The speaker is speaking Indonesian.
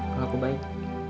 kalau aku baik